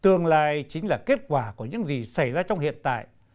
tương lai chính là kết quả của những gì xảy ra trong hiện tại